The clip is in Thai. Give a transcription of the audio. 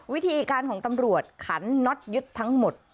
วิธีการของตำรวจขันน็อตยึดทั้งหมด